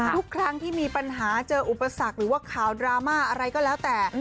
ทุกครั้งที่มีปัญหาเจออุปสรรคหรือว่าข่าวดราม่าอะไรก็แล้วแต่